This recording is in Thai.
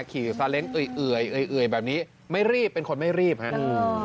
ขี่ซาเล้งเอ่ยเอ่ยแบบนี้ไม่รีบเป็นคนไม่รีบฮะอืม